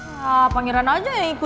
ya pangeran aja yang ikut ngikut